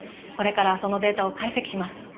これからそのデータを解析します。